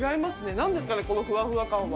なんですかね、このふわふわ感は。